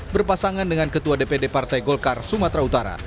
berpasangan dengan ketua dpd partai golkar sumatera utara